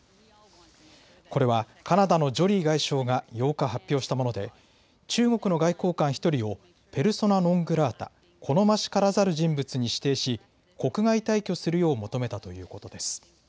これはカナダのジョリー外相が８日、発表したもので中国の外交官１人をペルソナ・ノン・グラータ、好ましからざる人物に指定し国外退去するよう求めたということです。